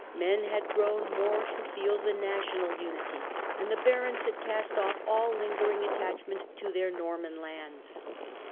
Men had grown more to feel the national unity, and the barons had cast off all lingering attachment to their Norman lands.